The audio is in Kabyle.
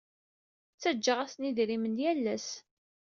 Ttaǧǧaɣ-asen idrimen yal ass.